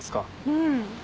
うん。